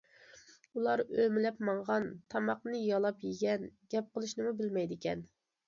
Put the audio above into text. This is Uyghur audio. ئۇلار ئۆمىلەپ ماڭغان، تاماقنى يالاپ يېگەن، گەپ قىلىشنىمۇ بىلمەيدىكەن.